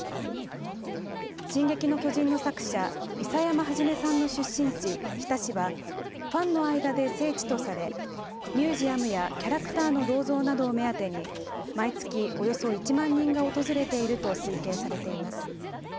進撃の巨人の作者諌山創さんの出身地、日田市はファンの間で聖地とされミュージアムやキャラクターの銅像などを目当てに毎月およそ１万人が訪れていると推計されています。